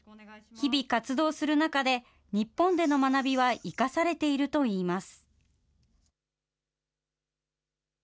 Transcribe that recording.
日々活動する中で、日本での学びは生かされているといいます。